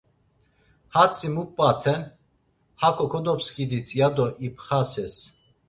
Hatzi mu p̌aten, hako kodopskidit ya do ipxases.